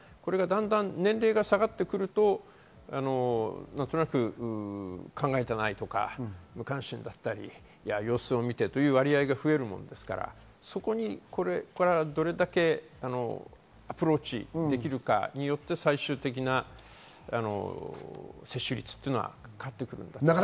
年齢が下がると、何となく考えていないとか無関心だったり様子を見てという割合が増えるものですから、そこにどれだけアプローチできるかによって最終的な接種率が変わってくるんだと思います。